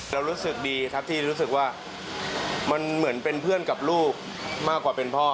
รู้สึกดีครับที่รู้สึกว่ามันเหมือนเป็นเพื่อนกับลูกมากกว่าเป็นพ่อ